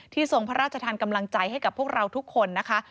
ทรงพระราชทานกำลังใจให้กับพวกเราทุกคนนะคะ